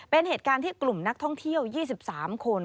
เป็นเหตุการณ์ที่กลุ่มนักท่องเที่ยว๒๓คน